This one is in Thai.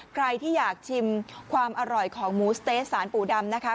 ใครที่อยากชิมความอร่อยของหมูสเต๊ะสารปู่ดำนะคะ